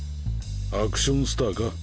アクションスターか？